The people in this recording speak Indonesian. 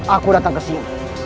aku datang kesini